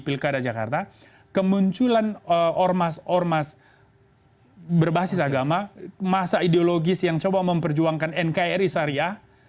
di pilihan dari wilkara jakarta kemunculan ormas ormas berbasis agama masa ideologis yang coba memperjuangkan nkri sariah